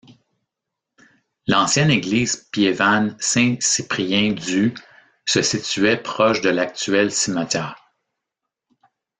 L'ancienne église piévane Saint-Cyprien du se situait proche de l'actuel cimetière.